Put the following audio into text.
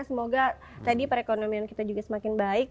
semoga tadi perekonomian kita juga semakin baik